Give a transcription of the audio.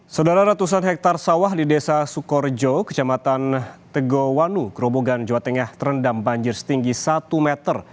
saudara ratusan hektare sawah di desa sukorejo kecamatan tegowanu gerobogan jawa tengah terendam banjir setinggi satu meter